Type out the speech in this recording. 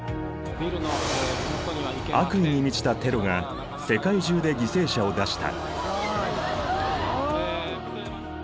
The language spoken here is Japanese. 悪意に満ちたテロが世界中で犠牲者を出した。